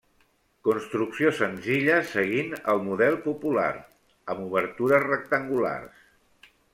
Construcció senzilla seguint el model popular, amb obertures rectangulars.